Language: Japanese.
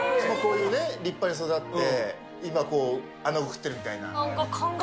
今、こういうね、立派に育って、今こう、アナゴ食ってるみたいな。